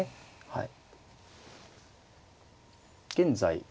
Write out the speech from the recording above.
はい。